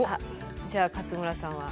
じゃあ勝村さんは。